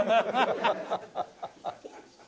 ハハハハ。